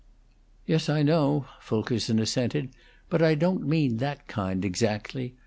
"Yes, I know," Fulkerson assented. "But I don't mean that kind exactly.